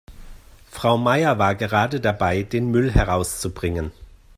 Frau Meier war gerade dabei, den Müll herauszubringen.